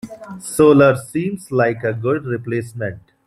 Solar seems like a good replacement.